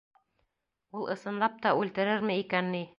Ул ысынлап та үлтерерме икән ни?